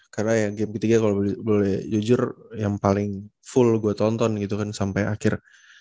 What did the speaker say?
karena yang game ketiga kalau boleh jujur yang paling full gue tonton gitu kan sampai akhir